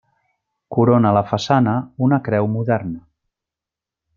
Corona la façana una creu moderna.